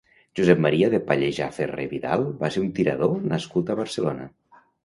Josep Maria de Pallejà Ferrer-Vidal va ser un tirador nascut a Barcelona.